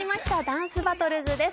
『ダンスバトルズ』です。